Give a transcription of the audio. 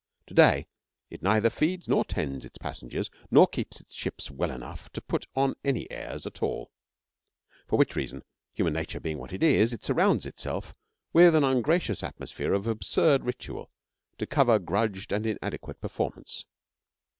To day, it neither feeds nor tends its passengers, nor keeps its ships well enough to put on any airs at all. For which reason, human nature being what it is, it surrounds itself with an ungracious atmosphere of absurd ritual to cover grudged and inadequate performance.